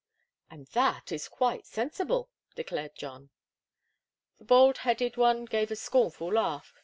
"And that is quite sensible," declared John. The bald headed one gave a scornful laugh.